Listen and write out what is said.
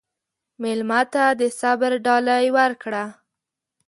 مېلمه ته د صبر ډالۍ ورکړه.